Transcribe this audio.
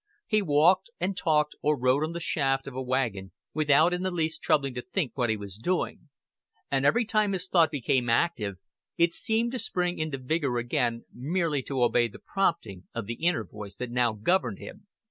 He walked and talked or rode on the shaft of a wagon without in the least troubling to think what he was doing, and every time his thought became active it seemed to spring into vigor again merely to obey the prompting of the inner voice that now governed him.